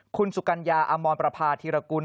คุณสุกัญญาอมรประพาธีรกุล